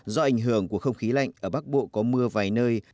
do ảnh hưởng của không khí lạnh ở bắc bộ có mưa vài nơi